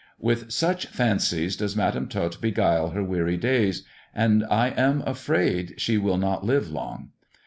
" With such fancies does Madam Tot beguile her weary days, and I am afraid she will not live long.